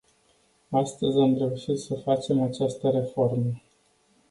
Astăzi am reușit să facem această reformă.